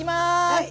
はい。